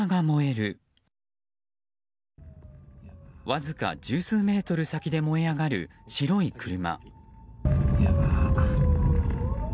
わずか十数メートル先で燃え上がる白い車。